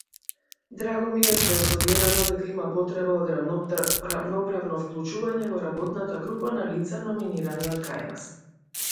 A suggested explanation is that the video shows two logs.